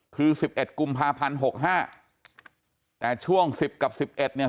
คือสิบเอ็ดกุมภาพันธ์หกห้าแต่ช่วงสิบกับสิบเอ็ดเนี่ย